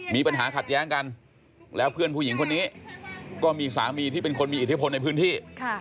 มีปัญหาขัดแย้งกันแล้วเพื่อนผู้หญิงคนนี้ก็มีสามีที่เป็นคนมีอิทธิพลในพื้นที่